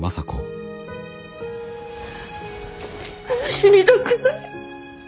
死にたくない。